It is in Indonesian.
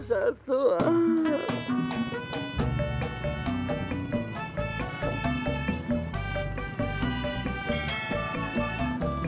sama sama pak ji